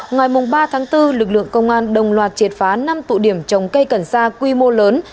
ngoài ba tháng bốn lực lượng công an đồng loạt triệt phá năm tụ điểm trồng cây cần sa quy mô lớn